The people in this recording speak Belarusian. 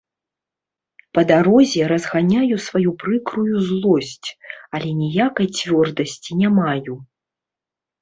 Па дарозе разганяю сваю прыкрую злосць, але ніякай цвёрдасці не маю.